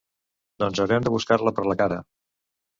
Doncs haurem de buscar-la per la cara.